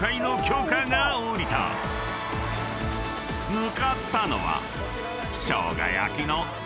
［向かったのは］